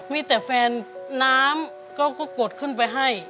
มีแต่แฟนน้ำก็กดขึ้นไปให้